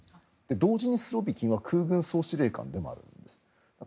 同時にスロビキンは空軍総司令官でもあるんです。